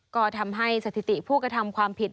ก็ทำให้สถิติผู้กระทำความผิด